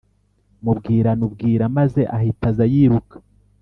Mubwirana ubwira maze ahita aza yiruka